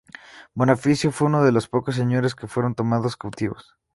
Bonifacio fue uno de los pocos señores que fueron tomados cautivos.